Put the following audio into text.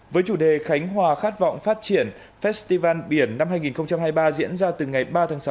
với chủ đề khánh hòa khát vọng phát triển festival biển năm hai nghìn hai mươi ba diễn ra từ ngày ba tháng sáu